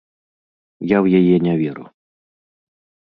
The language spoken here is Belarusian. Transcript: Я ў яе не веру.